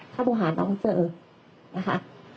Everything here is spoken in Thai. ถ้าบ๊วยหาน้องเจอนะคะ